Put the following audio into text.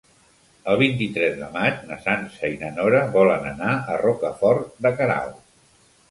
El vint-i-tres de maig na Sança i na Nora volen anar a Rocafort de Queralt.